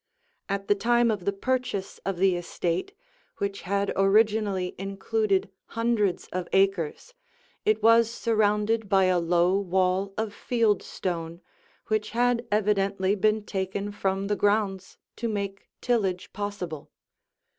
At the time of the purchase of the estate, which had originally included hundreds of acres, it was surrounded by a low wall of field stone which had evidently been taken from the grounds to make tillage possible.